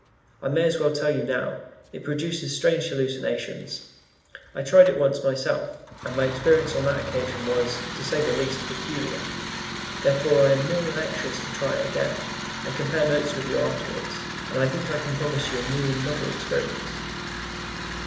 I may as well tell you now, it produces strange hallucinations. I tried it once myself, and my experience on that occasion was, to say the least, peculiar; therefore I am more than anxious to try it again, and compare notes with you afterwards, and I think I can promise you a new and novel experience."